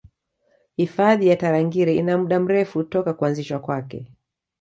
Hifadhi ya Tarangire ina muda mrefu toka kuanzishwa kwake